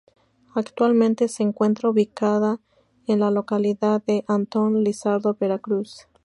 Actualmente se encuentra ubicada en la localidad de Antón Lizardo, Veracruz.